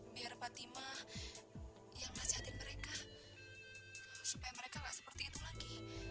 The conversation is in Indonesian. biar fatima yang ngejahatin mereka supaya mereka gak seperti itu lagi